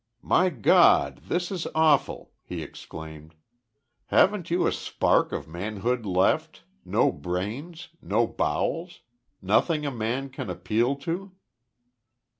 "My God, this is awful!" he exclaimed. "Haven't you a spark of manhood left? no brains? no bowels? nothing a man can appeal to?"